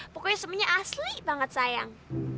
pokoknya semuanya asli banget sayang